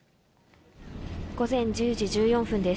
午前１０時１４分です。